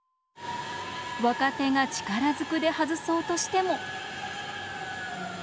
若手が力ずくで外そうとしても。